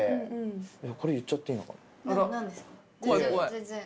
全然。